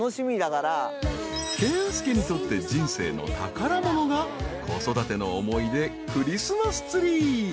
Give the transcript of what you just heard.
［健介にとって人生の宝物が子育ての思い出クリスマスツリー］